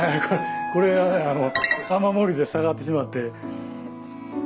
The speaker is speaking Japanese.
これは雨漏りで下がってしまって。